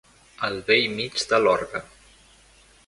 Al bell mig de l'orgue.